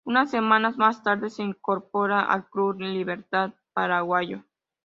Unas semanas más tarde se incorpora al Club Libertad paraguayo.